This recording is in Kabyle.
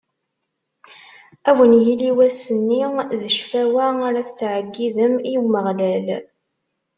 Ad wen-yili wass-nni d ccfawa ara tettɛeggidem i Umeɣlal.